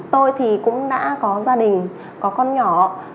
tôi thì cũng đã có gia đình có con nhỏ